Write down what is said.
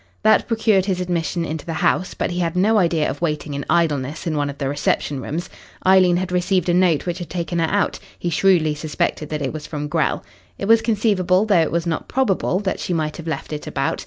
That procured his admission into the house, but he had no idea of waiting in idleness in one of the reception rooms. Eileen had received a note which had taken her out he shrewdly suspected that it was from Grell. It was conceivable, though it was not probable, that she might have left it about.